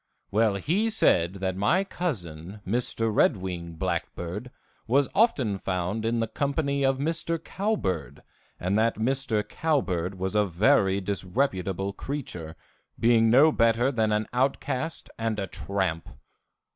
Well, he said that my cousin, Mr. Red Wing Blackbird, was often found in the company of Mr. Cowbird, and that Mr. Cowbird was a very disreputable creature, being no better than an outcast and a tramp.